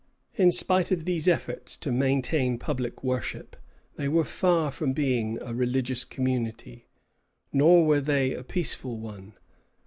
In spite of these efforts to maintain public worship, they were far from being a religious community; nor were they a peaceful one.